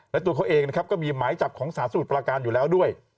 และตัวเขาเองนะครับก็มีหมายจับของสารสมุทรประการอยู่แล้วด้วย